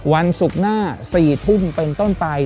วันศุกร์หน้า๔ทุ่มเป็นต้นไป